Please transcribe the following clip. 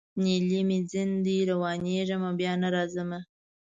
نیلی مي ځین دی روانېږمه بیا نه راځمه